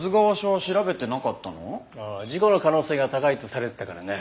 事故の可能性が高いとされてたからね。